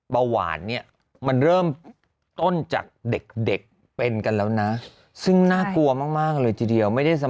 เบาหวานนี่มันเริ่มต้นจากเด็กเป็นกันแล้วนะ